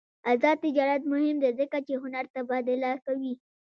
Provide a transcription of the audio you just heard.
آزاد تجارت مهم دی ځکه چې هنر تبادله کوي.